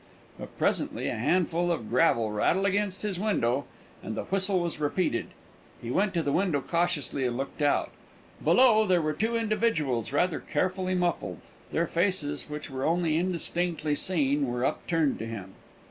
But presently a handful of gravel rattled against his window, and the whistle was repeated. He went to the window cautiously, and looked out. Below were two individuals, rather carefully muffled; their faces, which were only indistinctly seen, were upturned to him.